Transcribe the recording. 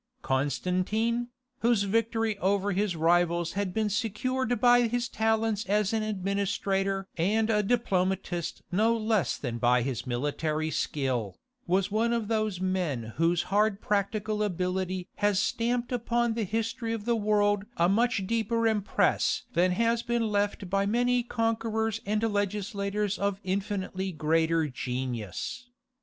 Constantine, whose victory over his rivals had been secured by his talents as an administrator and a diplomatist no less than by his military skill, was one of those men whose hard practical ability has stamped upon the history of the world a much deeper impress than has been left by many conquerors and legislators of infinitely greater genius.